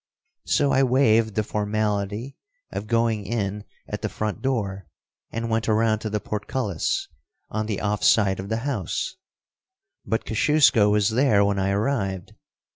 So I waived the formality of going in at the front door, and went around to the portcullis, on the off side of the house, but Kosciusko was there when I arrived.